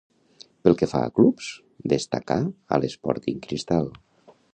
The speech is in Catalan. Pel que fa a clubs, destacà a l'Sporting Cristal.